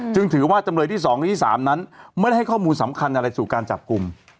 จึงถือว่าจำเลยที่๒และที่๓นั้นไม่ได้ให้ข้อมูลสำคัญอะไรสู่การจับกลุ่ม